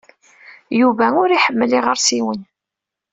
Yuba ur iḥemmel iɣersiwen.